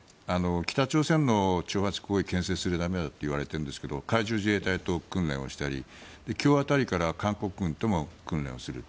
北朝鮮の挑発行為にけん制するためだといわれているんですが海上自衛隊と訓練をしたり今日辺りから韓国軍とも訓練をする。